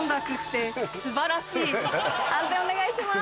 判定お願いします。